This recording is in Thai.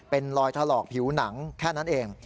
เป็นรอยถลอกผิวหนังแค่นั้นเอง